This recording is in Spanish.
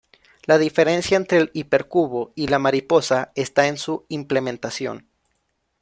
La diferencia entre el hipercubo y la mariposa está en su implementación.